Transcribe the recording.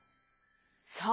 そう。